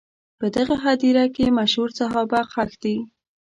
په دغه هدیره کې مشهور صحابه ښخ دي.